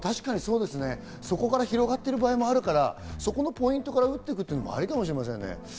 そこから広がってる場合もあるから、そこのポイントから打っていくのもありかもしれませんね。